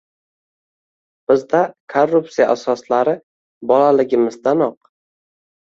Bizda korrupsiya asoslari, bolaligimizdanoq